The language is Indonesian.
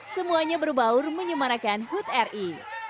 semuanya berbaur menyemarakan hud ri